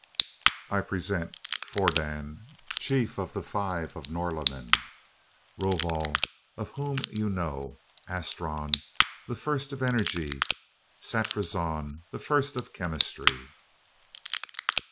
I present Fodan, Chief of the Five of Norlamin. Rovol, about whom you know. Astron, the First of Energy. Satrazon, the First of Chemistry."